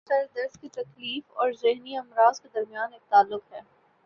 سر درد کی تکلیف اور ذہنی امراض کے درمیان ایک تعلق ہے